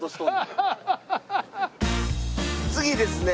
次ですね